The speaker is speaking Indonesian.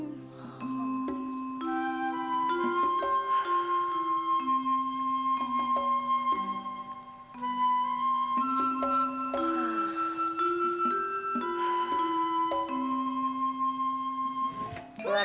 buat beratnya itu lengkap lho pak